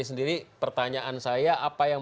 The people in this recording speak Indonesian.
sendiri pertanyaan saya apa yang